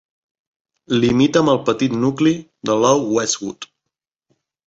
Limita amb el petit nucli de Low Westwood.